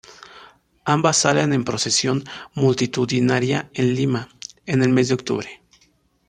Ambas salen en procesión multitudinaria en Lima en el mes de octubre.